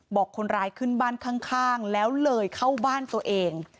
บอกคนร้ายขึ้นบ้านข้างแล้วเลยเข้าบ้านตัวเอง